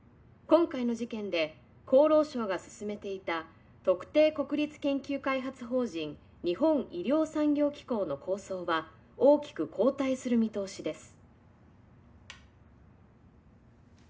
「今回の事件で厚労省が進めていた特定国立研究開発法人日本医療産業機構の構想は大きく後退する見通しです」